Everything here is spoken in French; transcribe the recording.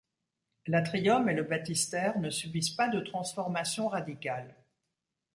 L’atrium et le baptistère ne subissent pas de transformations radicales.